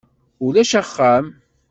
Ulac axxam.